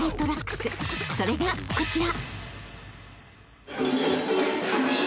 ［それがこちら］